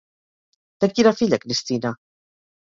De qui era filla Cristina?